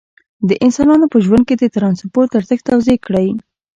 د انسانانو په ژوند کې د ترانسپورت ارزښت توضیح کړئ.